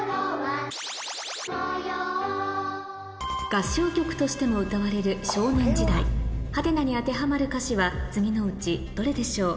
合唱曲としても歌われる『少年時代』「？」に当てはまる歌詞は次のうちどれでしょう？